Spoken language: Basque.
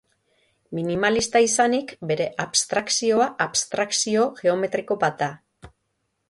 Minimalista izanik, bere abstrakzioa abstrakzio geometriko bat da.